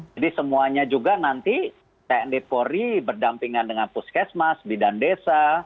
jadi semuanya juga nanti tnd polri berdampingan dengan puskesmas bidan desa